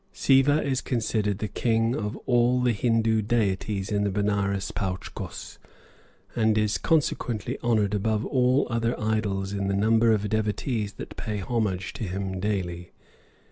Siva is considered the king of all the Hindoo deities in the Benares Pauch kos, and is consequently honored above all other idols in the number of devotees that pay homage to him daily.